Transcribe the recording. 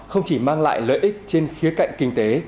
không chỉ mang lại lợi ích trên khía cạnh kinh tế